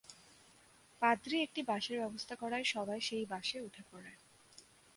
পাদ্রী একটি বাসের ব্যবস্থা করায় সবাই সেই বাসে উঠে পড়ে।